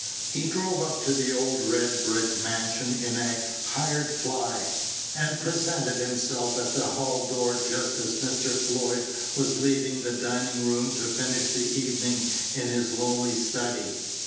He drove up to the old red brick mansion in a hired fly, and presented himself at the hall door just as Mr. Floyd was leaving the dining room to finish the evening in his lonely study.